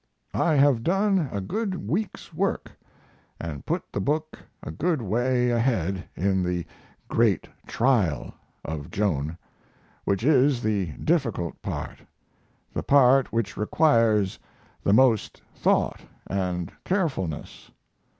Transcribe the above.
I have done a good week's work and put the book a good way ahead in the Great Trial [of Joan], which is the difficult part: the part which requires the most thought and carefulness.